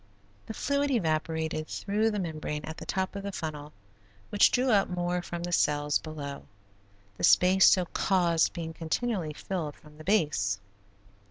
The fluid evaporated through the membrane at the top of the funnel, which drew up more from the cells below, the space so caused being continually filled from the base.